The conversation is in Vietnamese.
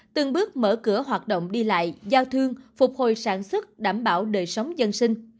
từng bước mở cửa hoạt động đi lại giao thương phục hồi sản xuất đảm bảo đời sống dân sinh